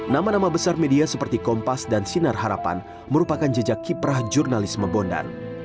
nama nama besar media seperti kompas dan sinar harapan merupakan jejak kiprah jurnalisme bondan